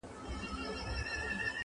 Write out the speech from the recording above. o ازموینه کي د عشق برابر راغله,